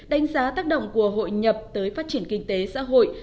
đánh giá tác động của hội nhập tới phát triển kinh tế xã hội